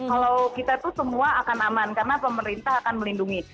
kalau kita itu semua akan aman karena pemerintah akan melindungi